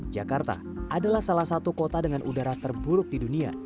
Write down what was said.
jakarta adalah salah satu kota dengan udara terburuk di dunia